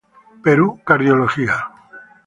Perú Cardiología.